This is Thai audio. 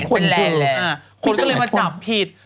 คนก็เลยมาจับผิด